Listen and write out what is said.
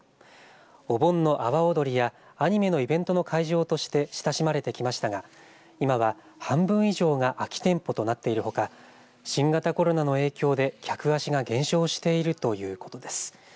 お盆の阿波踊りやアニメのイベントの会場として親しまれてきましたが今は半分以上が空き店舗となっているほか新型コロナの影響で客足が減少しているということです。